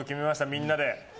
みんなで。